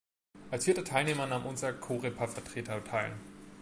Als vierter Teilnehmer nahm unser Coreper-Vertreter teil.